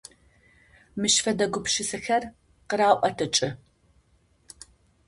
Мыщ фэдэ гупшысэхэр къыраӏотыкӏы…